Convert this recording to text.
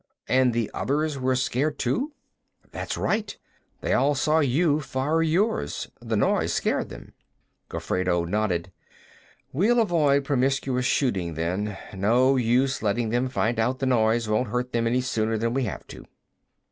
"And the others were scared, too?" "That's right. They all saw you fire yours; the noise scared them." Gofredo nodded. "We'll avoid promiscuous shooting, then. No use letting them find out the noise won't hurt them any sooner than we have to."